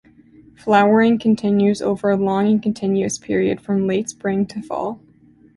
Flowering continues over a long and continuous period from late spring to fall.